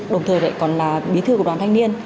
đồng thời lại còn là bí thư của đoàn thanh niên